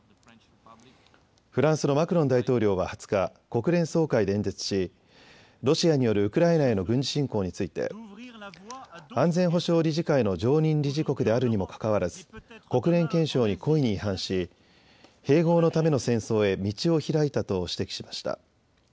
フランスのマクロン大統領は２０日、国連総会で演説しロシアによるウクライナへの軍事侵攻について安全保障理事会の常任理事国であるにもかかわらず国連憲章に故意に違反し、併合のための戦争へ道をひらいたと指摘しました。